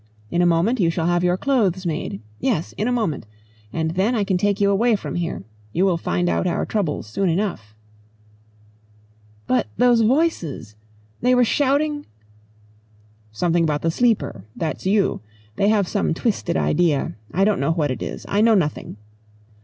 In a moment you shall have your clothes made. Yes in a moment. And then I can take you away from here. You will find out our troubles soon enough." "But those voices. They were shouting ?" "Something about the Sleeper that's you. They have some twisted idea. I don't know what it is. I know nothing."